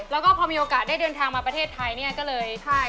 แล้วก็พอมีโอกาสได้เดินทางมาประเทศไทยเนี่ยก็เลยใช่